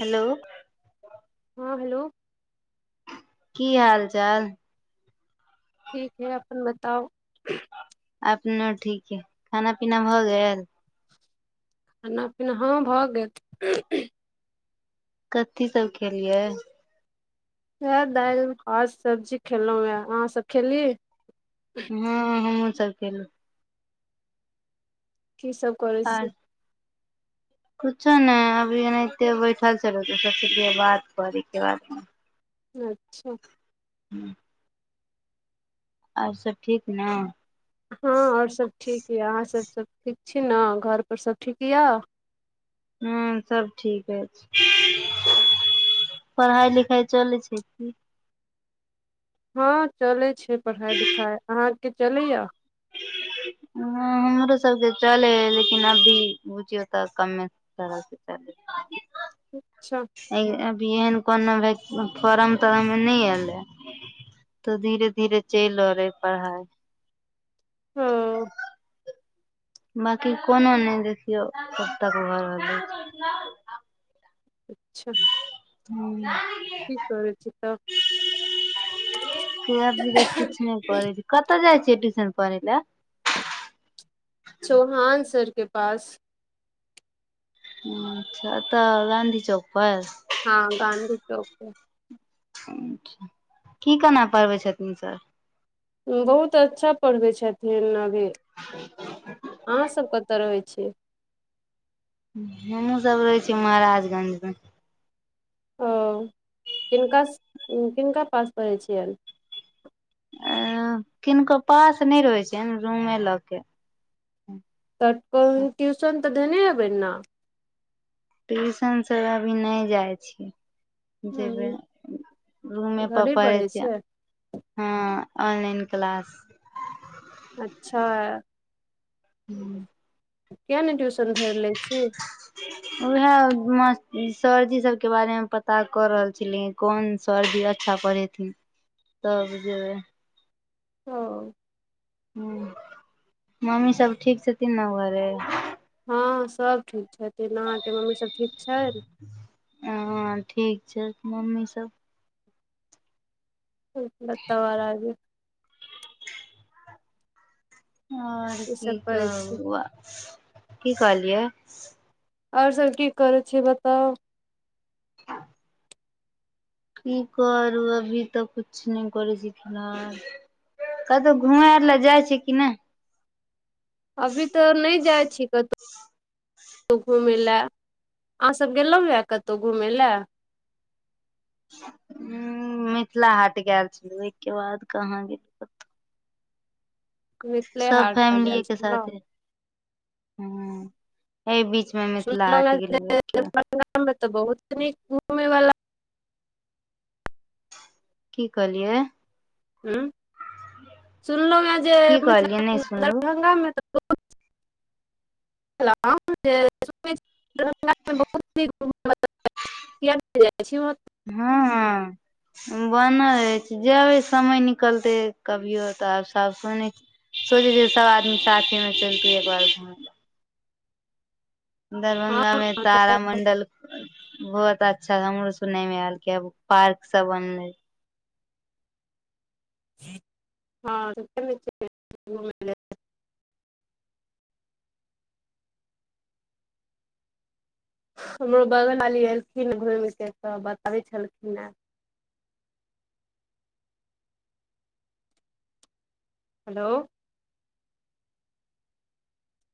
hello हॅ hello की हाल चाल ठीक है अपन बताउ अपनोठीके खाना पीना भऽ गेल खाना पीना हँ भऽ गेल कथी सब केलियै इएह दालि भात सब्जी सब खेलहुं ये अहाँ सब खेली हँ हमहुूँ सब खेलहुँ की सभ करै आर छियै कुछो ने अभी एनाहिते बैठल छललौ त सोचलिय बात क ली तकर बाद अच्छा हूँ आओर सब ठीक ने हँ आओर सभ ठीक यए अहाँसभ सभ ठीक छी ने घरपर सभ ठीक यए ह्म सब ठीक अछि पढ़ाइ लिखाइ चलै छै कि हँ चलै छै पढ़ाइ लिखाइ अहाँके चलैएा ह हमरो सबके चले है लेकिन अभी बुझियौ तकमे तरस च अच्छा अभी एहन कोनो भ फॉारम तारम नहि अयलै तऽ धीरे धीरे चलि रहलै पढ़ाइ हँ बकी कोनो नहि देखियौ कब तक घर रहल अच्छा ह की करै छी तब किछ न नहि पढ़ेछि कत जाइ छी ट्यूशन पढ़ लए चौहान सर के पास अच्छा तऽ गानधी चौकपर हँ गाँधी चौकपर की केना पढ़बै छथिन सर बहुत अच्छा पढ़बै छथिन अभी ह अहाँ सब कतऽ रहै छीियै हमूँ सब रहै छी महाराजगंज मे ओ किनका पास पै रहै छियनि अ किनको पास नहि रहै छिय रूमे लऽ के त क ही ट्यूशन तऽ धेने हेबै न ट्यूशन सब अभी नहि जाइ छीियै जेबै ह रूमेप घरे पढ़ै छियै छै हँ ऑनलाइन क्लास अच्छा हूँ किए नहि ट्यूशन धैर लय छी उएह सरजी सबके बारेमे पता कऽ रहल छलीय कोन सरजी अच्छा पढ़बै तैं तब जे [unintelligible] ह मम्मी सब ठीक छथिन न घरे हँ सभ ठीक छथिन अहाँके मम्मी सभ ठीक छनि ह ठीक छै मम्मी सब ठीक बताऊ आर आगे आ ओर ई की सब करै छी कह की कहलियै ओर सब की करै छी बताउ [inaudible] की करू अभी तऽ कुछ नहि करे सिखना कतहु घुम आर लए जाइ छै कि नय अभी तऽ नइ जाइ छी कतहु क घूमय लए अहाँसभ गेलहुँ य कतहु घूमय ला मिथिला हाट गेल छल ओहिके बाद कहाँ गेल मिथिले सब हाट टा फैमिली गेल एके छलहुँ साथे हु एहि बीच मिथिला हाट गेलि के [unintelligible] मे तऽ बहुत नि घूमे वाला की कहलियै ह सुनलहुँ हेँ जे की कहलियै मिथिला नहि हात सुनलू दरभंगामे त [unintelligible] [unintelligible] [unintelligible] हँ बनल छै जेबै समय निकलतै कभियो तऽ आब सा सुनै छी सोचे छै सब आदमी साथे में चलतै एक बार घम हँ दरभंगा में हँ तारा मंडल बहुत अच्छा हमरो सुन मे आयल केब पार्क सब बनले हँ [unintelligible] हमरो बगल वाली एलखिन घुम के तऽ बताबै छलखिन हे हेलो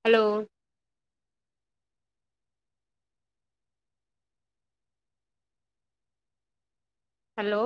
हेलो हेलो